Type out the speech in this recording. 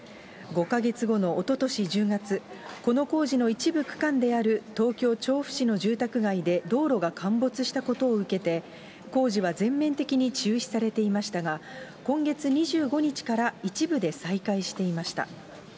５か月後のおととし１０月、この工事の一部区間である東京・調布市の住宅街で道路が陥没したことを受けて、工事は全面的に中止されていましたが、今月２５日から一部で再開していました。